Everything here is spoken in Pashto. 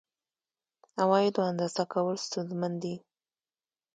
عوایدو اندازه کول ستونزمن دي.